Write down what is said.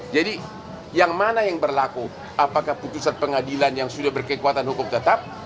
jadi yang mana yang berlaku apakah putusan pengadilan yang sudah berkekuatan hukum tetap